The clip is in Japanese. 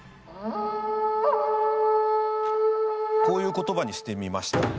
こういう言葉にしてみました。